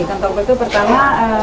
ikan tombol itu pertama